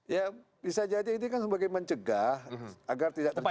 ya bisa jadi ini kan sebagai mencegah agar tidak terjadi